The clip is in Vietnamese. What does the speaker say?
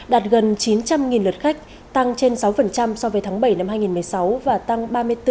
đạt gần chín trăm linh lượt khách tăng trên sáu so với tháng bảy năm hai nghìn một mươi sáu và tăng ba mươi bốn